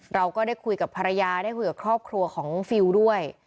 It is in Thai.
เราก็ได้คุยกับภรรยาได้คุยกับครอบครัวของฟิลด้วย